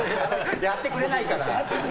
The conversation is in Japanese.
やってくれないから！